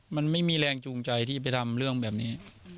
มันไม่มีแรงจูงใจที่ไปทำเรื่องแบบนี้